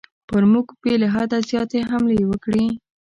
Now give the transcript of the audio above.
پر موږ به له حده زیاتې حملې وکړي.